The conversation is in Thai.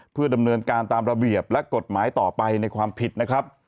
เพื่อดำเนินการตามระเบียบและกฎหมายต่อไปในความผิดนะครับ